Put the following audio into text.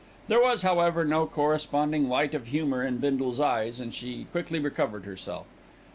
There was, however, no corresponding light of humour in Bindle's eyes, and she quickly recovered herself.